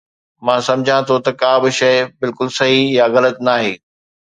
مان سمجهان ٿو ته ڪا به شيء بلڪل صحيح يا غلط ناهي